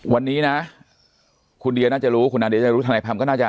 วันนี้นะคุณเดียน่าจะรู้คุณนาเดียจะรู้ทนายพัฒก็น่าจะ